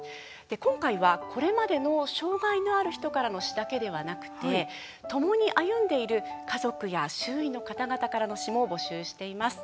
今回は、これまでの障害のある人からの詩だけではなくてともに歩んでいる家族や周囲の方々からの詩も募集しています。